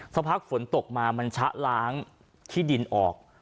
สักพักฝนตกมามันชะล้างที่ดินออก